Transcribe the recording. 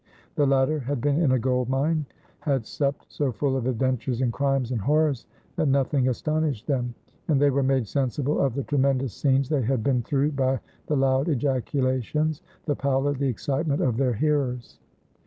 The latter had been in a gold mine; had supped so full of adventures and crimes and horrors that nothing astonished them, and they were made sensible of the tremendous scenes they had been through by the loud ejaculations, the pallor, the excitement of their hearers.